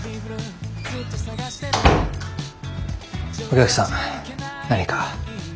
お客さん何か？